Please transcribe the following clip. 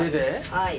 はい。